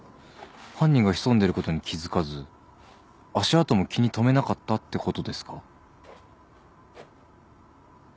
犯人が潜んでることに気付かず足跡も気に留めなかったってことですか？